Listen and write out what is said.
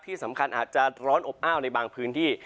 ที่สำคัญอาจจะร้อนอบอ้าวในบางพื้นที่